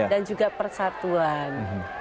dan juga persatuan